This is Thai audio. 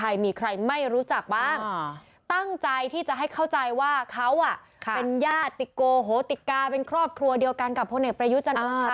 ย่าติกโกโหติกกาเป็นครอบครัวเดียวกันกับพ่อเนกประยุจจันโอชา